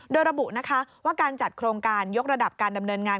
โดยระบุนะคะว่าการจัดโครงการยกระดับการดำเนินงาน